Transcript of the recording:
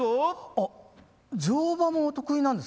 あ乗馬も得意なんですか？